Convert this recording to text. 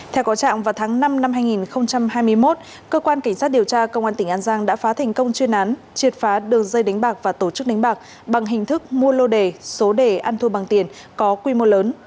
theo có trạng vào tháng năm năm hai nghìn hai mươi một cơ quan cảnh sát điều tra công an tỉnh an giang đã phá thành công chuyên án triệt phá đường dây đánh bạc và tổ chức đánh bạc bằng hình thức mua lô đề số đề ăn thua bằng tiền có quy mô lớn